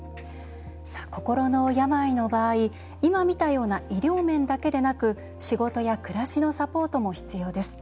心の病の場合、今、見たような医療面だけではなく仕事や暮らしのサポートも必要です。